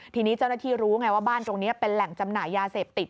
ทีนี้เจ้าหน้าที่รู้ไงว่าบ้านตรงนี้เป็นแหล่งจำหน่ายยาเสพติด